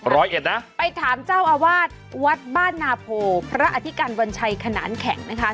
เอ็ดนะไปถามเจ้าอาวาสวัดบ้านนาโพพระอธิการวัญชัยขนานแข็งนะคะ